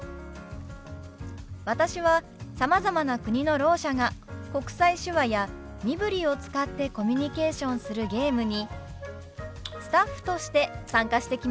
私はさまざまな国のろう者が国際手話や身振りを使ってコミュニケーションするゲームにスタッフとして参加してきました。